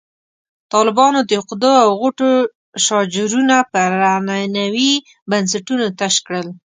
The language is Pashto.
طالبانو د عقدو او غوټو شاجورونه پر عنعنوي بنسټونو تش کړل.